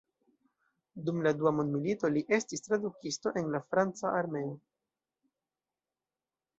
Dum la dua mondmilito li estis tradukisto en la franca armeo.